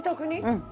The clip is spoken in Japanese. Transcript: うん。